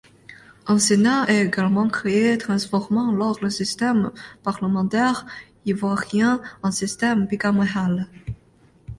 Un Sénat est également créé, transformant alors le système parlementaire Ivoirien en système bicaméral.